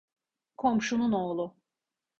Komşunun oğlu…